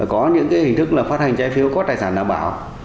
có những hình thức là phát hành trái phiếu có tài sản đảm bảo